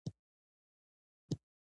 مزارشریف د افغانستان د طبیعي پدیدو یو رنګ دی.